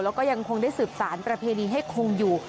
แล้วก็ยังคงได้สืบสารประเพณีให้คงอยู่